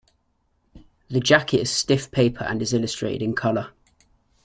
The jacket is stiff paper and is illustrated in color.